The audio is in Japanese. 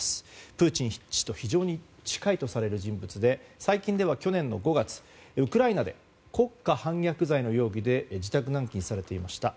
プーチン氏と非常に近いとされる人物で最近では去年の５月ウクライナで国家反逆罪の容疑で自宅軟禁されていました。